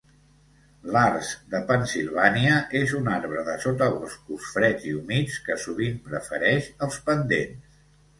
L'arç de Pennsilvània és un arbre de sotaboscos freds i humits que sovint prefereix els pendents.